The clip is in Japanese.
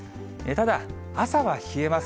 ただ、朝は冷えます。